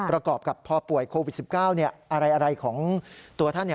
ประกอบกับพอป่วยโควิด๑๙อะไรของตัวท่าน